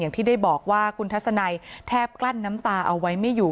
ที่ได้บอกว่าคุณทัศนัยแทบกลั้นน้ำตาเอาไว้ไม่อยู่